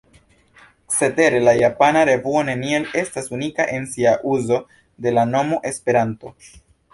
Cetere la japana revuo neniel estas unika en sia uzo de la nomo ”Esperanto”.